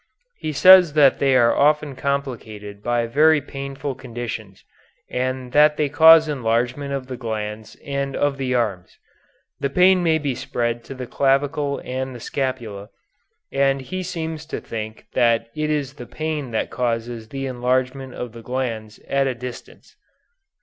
He says that they are often complicated by very painful conditions, and that they cause enlargement of the glands and of the arms. The pain may spread to the clavicle and the scapula, and he seems to think that it is the pain that causes the enlargement of the glands at a distance.